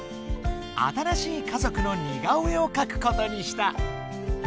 新しい家ぞくのにがお絵をかくことにした。